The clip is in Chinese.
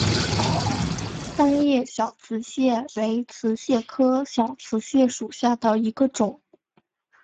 三叶小瓷蟹为瓷蟹科小瓷蟹属下的一个种。